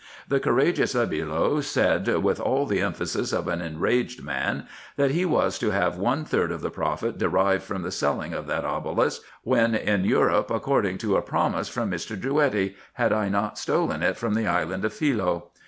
The courageous Lebulo said, with all the emphasis of an enraged man, that he was to have one third of the profit derived from the selling of that obelisk, when in Europe, according to a promise from Mr. Drouetti, had I not stolen it from the island of Philoe.